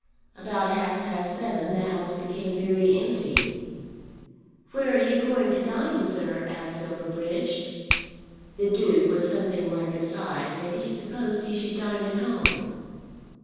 About half past seven the House became very empty. "Where are you going to dine, sir?" asked Silverbridge. The Duke, with something like a sigh, said he supposed he should dine at home.